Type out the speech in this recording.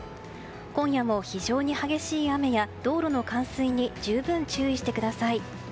今夜も非常に激しい雨や道路の冠水に十分、注意してください。